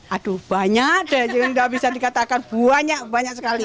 aduh banyak deh nggak bisa dikatakan banyak banyak sekali